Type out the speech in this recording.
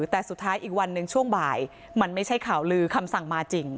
แต่สุดท้ายอีกวันหนึ่งช่วงบ่ายมันไม่ใช่ข่าวลือคำสั่งมาจริง